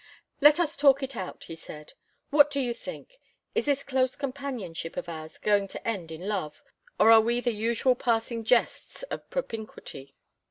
"Let us talk it out," he said. "What do you think? Is this close companionship of ours going to end in love, or are we the usual passing jests of propinquity?